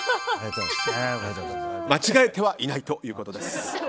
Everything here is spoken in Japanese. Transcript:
間違えてはいないということです。